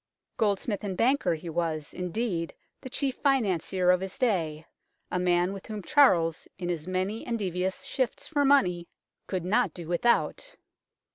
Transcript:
Goldsmith and banker, he was, indeed, the chief financier of his day, a man with whom Charles, in his many and devious shifts for money, could UNKNOWN LONDON not do without.